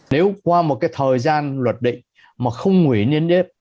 nếu qua một cái thời gian luật định mà không hủy niêm yếp